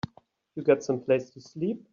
You got someplace to sleep?